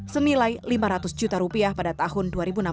senilai lima ratus juta rupiah pada tahun dua ribu enam belas